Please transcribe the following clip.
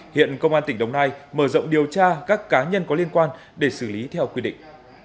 hiện công an tỉnh đồng nai mở rộng điều tra các cá nhân có liên quan để xử lý theo quy định